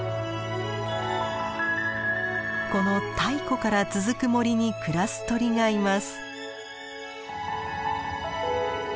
この太古から続く森に暮らす鳥がいます。